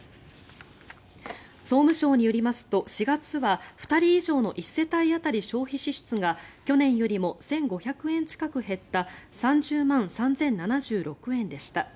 総務省によりますと４月は２人以上の１世帯当たり消費支出が去年よりも１５００円近く減った３０万３０７６円でした。